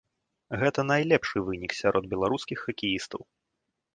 Гэта найлепшы вынік сярод беларускіх хакеістаў.